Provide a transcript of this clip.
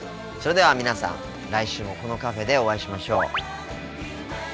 それでは皆さん来週もこのカフェでお会いしましょう。